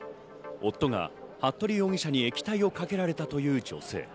夫が服部容疑者に液体をかけられたという女性。